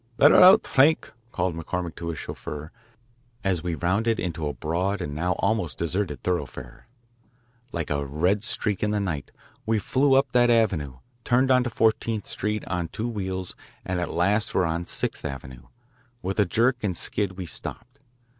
"Let her out, Frank," called McCormick to his chauffeur, as we rounded into a broad and now almost deserted thoroughfare. Like a red streak in the night we flew up that avenue, turned into Fourteenth Street on two wheels, and at last were on Sixth Avenue. With a jerk and a skid we stopped.